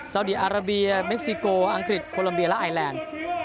สาวดีอาราเบียเม็กซิโกอังกฤษโคลัมเบียและไอแลนด์